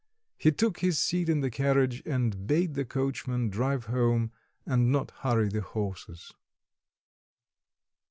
He took his seat in the carriage and bade the coachman drive home and not hurry the horses.